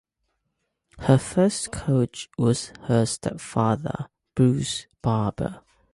Her first coach was her stepfather, Bruce Barber.